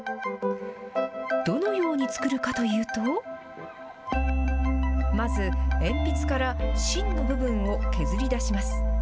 どのように作るかというとまず、鉛筆から芯の部分を削り出します。